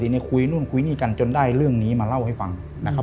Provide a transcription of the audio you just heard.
ทีนี้คุยนู่นนี่กันจนได้เรื่องนี้มาเล่าให้ฟัง